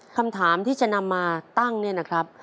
คำถามที่จะนำมาตั้งเนี่ยนะครับ